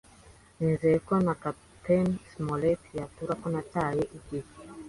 nizeye ko na Kapiteni Smollett yatura ko ntataye igihe.